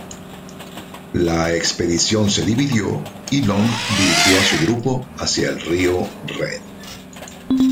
La expedición se dividió, y Long dirigió a su grupo hacia el río Red.